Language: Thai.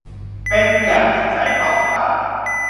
เป็นอย่างที่ใจต้องการ